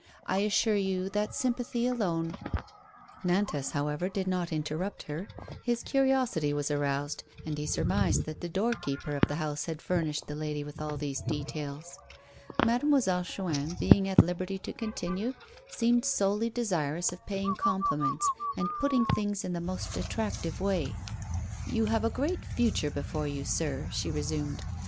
I assure you that sympathy alone " Nantas, however, did not interrupt her; his curiosity was aroused, and he surmised that the doorkeeper of the house had furnished the lady with all these details. Mademoiselle Chuin, being at liberty to continue, seemed solely desirous of paying compliments and putting things in the most attractive way. "You have a great future before you, sir," she resumed.